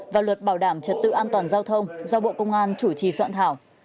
và luật bảo đảm trật tự an toàn giao thông do bộ công an chủ trì soạn thảo